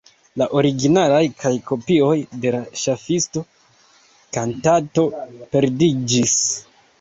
La originaloj kaj kopioj de la ŝafisto-kantato perdiĝis.